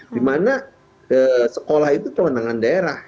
dimana sekolah itu kewenangan daerah